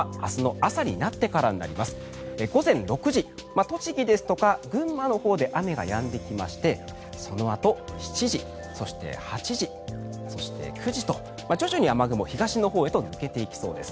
午前６時栃木ですとか群馬のほうで雨がやんできましてそのあと７時、そして８時そして９時と徐々に雨雲は東のほうへ抜けていきそうです。